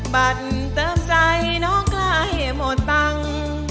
บัตรเติมใจน้องใกล้หมดตังค์